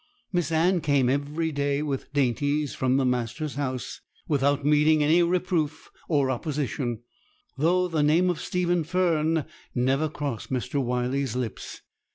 Miss Anne came every day with dainties from the master's house, without meeting with any reproof or opposition, though the name of Stephen Fern never crossed Mr. Wyley's lips.